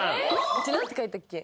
うち何て書いたっけ。